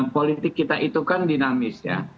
politik kita itu kan dinamis ya